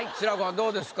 どうですか？